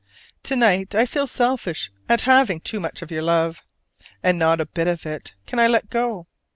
To night I feel selfish at having too much of your love: and not a bit of it can I let go!